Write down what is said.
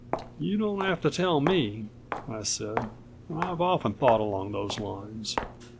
"You don't have to tell me," I said. "I've often thought along those lines."